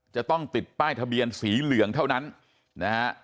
จะต้องติดป้ายทะเบียนสีเหลืองเท่านั้นนะฮะ